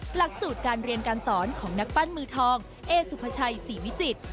หลักสูตรการเรียนการสอนของนักปั้นมือทองเอสุภาชัยศรีวิจิตร